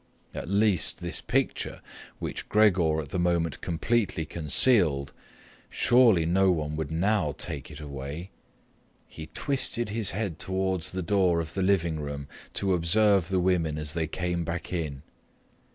At least this picture, which Gregor at the moment completely concealed, surely no one would now take away. He twisted his head towards the door of the living room to observe the women as they came back in.